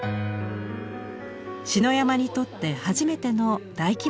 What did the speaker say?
篠山にとって初めての大規模な回顧展。